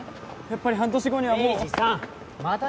やっぱり半年後にはもう栄治さんっ